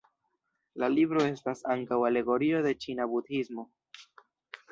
La libro estas ankaŭ alegorio de ĉina Budhismo.